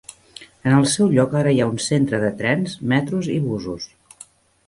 En el seu lloc ara hi ha un centre de trens, metros i busos.